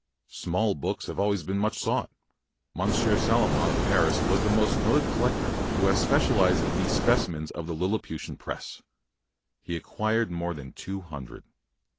Small books have always been much sought. Monsieur Salomon of Paris was the most noted collector who has specialized in these specimens of the Lilliputian press. He acquired more than two hundred.